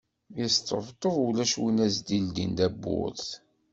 Yesṭebṭeb ulac win i as-d-yeldin tawwurt.